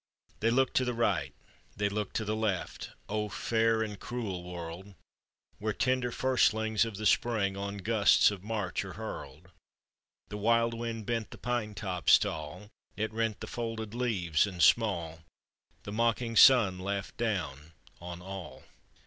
They looked to right, they looked to left : O fair and cruel world ! Where tender firstlings of the spring On gusts of March are hurled, The wild wind bent the pine tops tall, It rent the folded leaves, and small ;— The mocking sun laughed down on all.